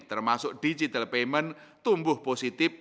termasuk digital payment tumbuh positif